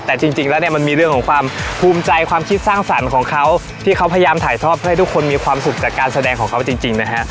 แต่จริงแล้วเนี่ยมันมีเรื่องของความภูมิใจความคิดสร้างสรรค์ของเขาที่เขาพยายามถ่ายทอดเพื่อให้ทุกคนมีความสุขจากการแสดงของเขาจริงนะฮะ